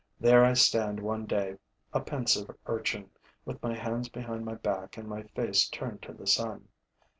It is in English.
There I stand one day, a pensive urchin, with my hands behind my back and my face turned to the sun.